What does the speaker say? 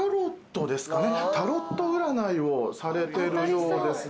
タロット占いをされてるようですね。